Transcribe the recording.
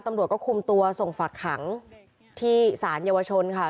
ตำรวจก็คุมตัวส่งฝักขังที่ศาลเยาวชนค่ะ